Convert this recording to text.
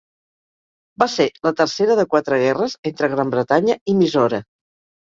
Va ser la tercera de quatre guerres entre Gran Bretanya i Mysore.